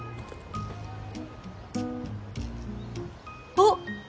あっ！